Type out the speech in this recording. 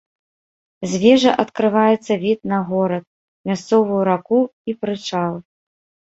З вежы адкрываецца від на горад, мясцовую раку і прычал.